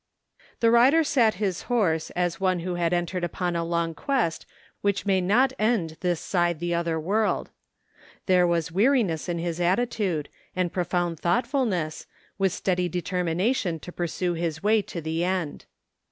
The rider sat his horse as one who had entered upon a long quest which may not end this side the other world. There was weariness in his attitude, and prof oimd thoughtfulness, with steady determination to pursue his way to the end.